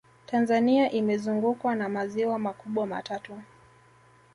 tanzania imezungukwa na maziwa makubwa matatu